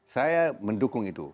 saya mendukung itu